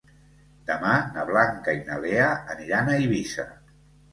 Demà na Blanca i na Lea aniran a Eivissa.